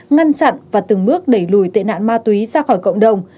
ngăn chặn và từng bước đẩy lùi tên hạn ma túy ra khỏi cộng đồng